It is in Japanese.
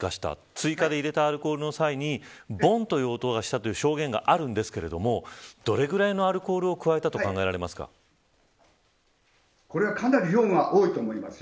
追加で入れたアルコールの際にボンという音がしたという証言があるんですがどれぐらいのアルコールを加えたこれはかなり量が多いと思います。